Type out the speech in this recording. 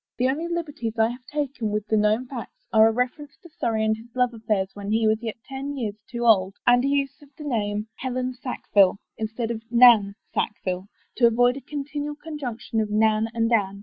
The only liberties I have taken with the known facts are a reference to Surrey and his love affairs when he was yet ten years too young and a use of the name Helen vu FOREWORD Sackvillc instead of Nan SackviUc to avoid a continual conjunction of Nan and Anne.